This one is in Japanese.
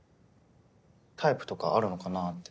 タイプとかあるのかなって。